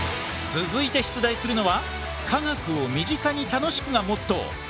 続いて出題するのは科学を身近に楽しくがモットー。